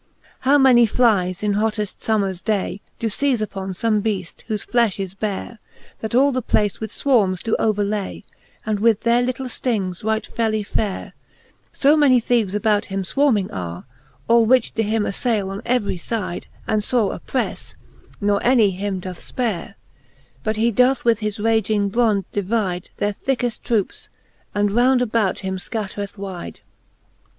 How many flyes in whotteft fommers day Do feize upon fome beaft, whofe flefh is bare, That all the place with fwarmes do overlay, And with their litle flings right felly fare ; So many theeves about him fwarming are^ All which do him aflayle on every fide, And fore opprcfTe, ne any him doth fpare : But he doth with his raging brond divide Their thickefl troups, and round about him fcattreth wide, XLIX.